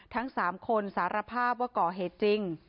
ทั้ง๓คนสารภาพว่าก่อเหตุจริง